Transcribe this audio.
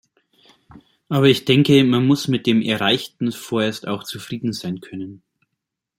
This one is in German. Aber ich denke, man muss mit dem Erreichten vorerst auch zufrieden sein können.